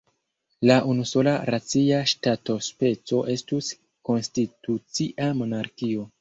La unusola racia ŝtatospeco estus konstitucia monarkio.